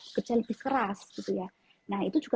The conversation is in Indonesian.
bekerja lebih keras nah itu juga